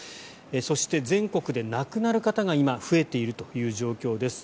そして、全国で亡くなる方が今、増えているという状況です。